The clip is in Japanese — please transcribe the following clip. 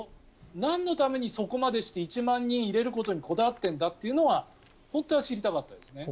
なんのためにそこまでして１万人入れることにこだわっているんだっていうのが本当は知りたかったですね